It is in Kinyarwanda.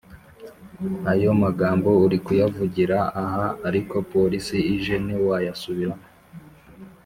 ayo magambo uri kuyavugira aha ariko polisi ije ntiwayasubiramo